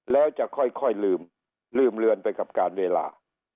แล้วจะค่อยลืมลืมเลือนไปกับการเวลา